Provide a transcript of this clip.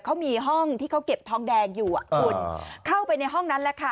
เขามีห้องที่เขาเก็บทองแดงอยู่อ่ะคุณเข้าไปในห้องนั้นแหละค่ะ